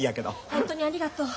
本当にありがとう。